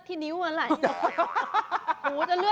ไปถูมาแดงไหลออกมาได้เลย